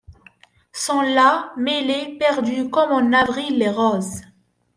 Sont là, mêlés, perdus, comme en avril les roses